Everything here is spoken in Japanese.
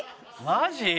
マジ？